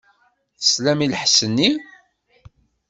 Teslam i lḥess-nni?